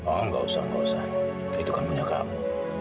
oh nggak usah nggak usah itu kan punya kamu